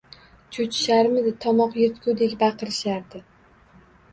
Cho‘chisharmidi tomoq yiritgudek baqirishardi.